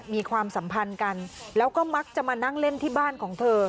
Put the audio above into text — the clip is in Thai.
ความสัมพันธ์กันแล้วก็มักจะมานั่งเล่นที่บ้านของเธอ